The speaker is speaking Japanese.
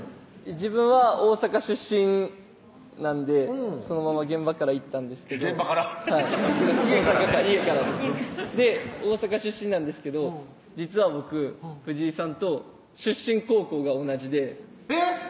自分は大阪出身なんでそのまま現場から行ったんですけど現場からハハハッ家からね家からですで大阪出身なんですけど実は僕藤井さんと出身高校が同じでえっ！